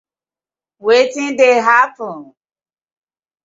Wetin dey happen?